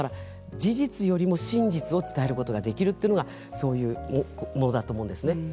事実よりも真実を伝えることができるというのがそういうものだと思うんですね。